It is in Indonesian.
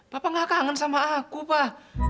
bapak gak kangen sama aku pak